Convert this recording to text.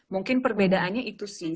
mungkin perbedaannya itu sih